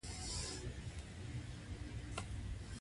د پاچا راتګ د هغه سر لوړ کړی و.